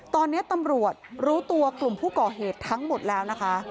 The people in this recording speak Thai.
ตอนนี้ตำรวจรู้ตัวกลุ่มผู้ก่อเหตุทั้งหมดแล้วนะคะ